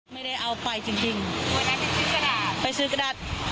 ไม่ได้เอาไปจริงจริงไปซื้อกระดาษ